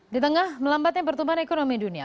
di tengah melambatnya pertumbuhan ekonomi dunia